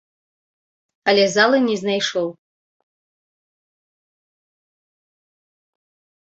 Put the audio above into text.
Але залы не знайшоў.